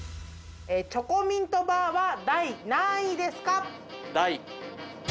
チョコミントバーは第何位ですか？